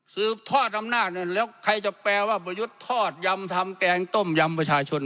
สืบทอดอำนาจแล้วใครจะแปลว่าประยุทธ์ทอดยำทำแกงต้มยำประชาชน